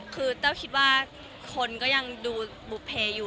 คือแต้วคิดว่าคนก็ยังดูบุเพอยู่